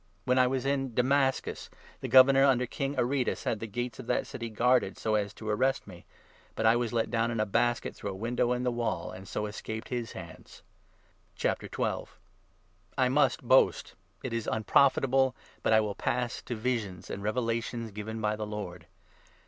When I was in Damascus, the Governor under King 32 Aretas had the gates of that city guarded, so as to arrest me, but I was let down in a basket through a window in the wall, 33 and so escaped his hands. I must boast ! It is unprofitable ; but I will i HIS visions. pass to visions an(j revelations given by the Lord.